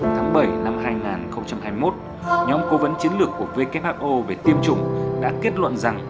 tháng bảy năm hai nghìn hai mươi một nhóm cố vấn chiến lược của who về tiêm chủng đã kết luận rằng